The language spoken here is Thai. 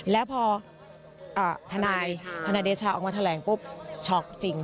แล้วพอทนายเดชาออกมาแถลงปุ๊บช็อกจริง